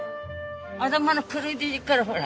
頭の黒いうちからほら。